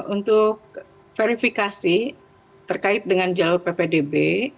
untuk verifikasi terkait dengan jalur ppdb